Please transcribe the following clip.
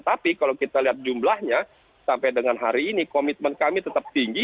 tapi kalau kita lihat jumlahnya sampai dengan hari ini komitmen kami tetap tinggi